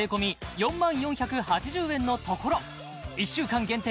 ４万４８０円のところ１週間限定